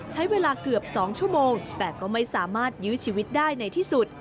ใช้เวลาเกือบ๒ชั่วโมงแต่ก็ไม่สามารถยื้อชีวิตได้ในที่สุด